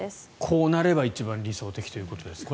こうなれば一番理想的ということですね。